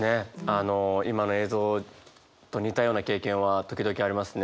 あの今の映像と似たような経験は時々ありますね。